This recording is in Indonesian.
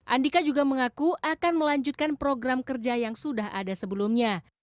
andika juga mengaku akan melanjutkan program kerja yang sudah ada sebelumnya